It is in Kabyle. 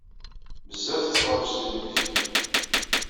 Bezzaf tettferrij tilivizyu.